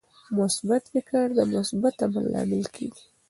مثبت فکر د مثبت عمل لامل کیږي.